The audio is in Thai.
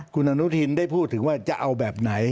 คุณอนุทินได้พูดถึงว่าจะเอาแบบไหน